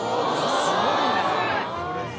すごいね。